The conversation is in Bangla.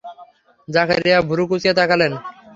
জাকারিয়া ভুরু কুঁচকে তাকালেন।